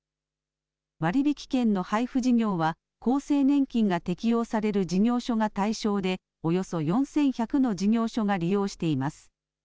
割引券の配付事業は厚生年金が適用される事業所が対象でおよそ４１００の事業所が利用しています。